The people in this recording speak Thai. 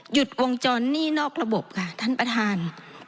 ดวงจรหนี้นอกระบบค่ะท่านประธาน